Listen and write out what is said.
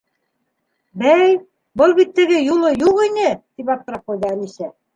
— Бәй, был бит теге юлы юҡ ине! — тип аптырап ҡуйҙы Әлисә.